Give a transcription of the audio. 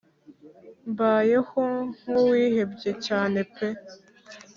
Mbayeho nkuwihebye cyane pee